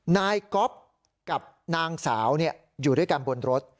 นายก๊อฟกับนางสาวอยู่ด้วยกันบนรถ